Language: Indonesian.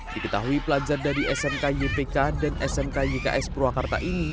diketahui pelajar dari smk ypk dan smk yks purwakarta ini